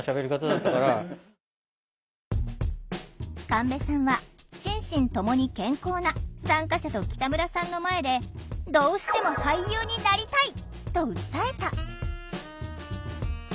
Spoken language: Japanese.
神戸さんは心身ともに健康な参加者と北村さんの前で「どうしても俳優になりたい！」と訴えた！